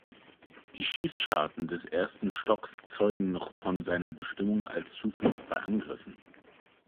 Die Schießscharten des ersten Stocks zeugen noch von seiner Bestimmung als Zuflucht bei Angriffen.